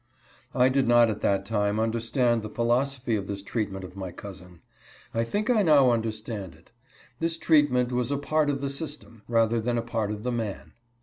I did not at that time understand the philosophy ol this treatment of my cousin. I think I now understand it. This treatment was a part of the system, rather than a part of the man.